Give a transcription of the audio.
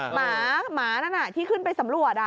หมาหมานั่นอ่ะที่ขึ้นไปสำรวจอ่ะ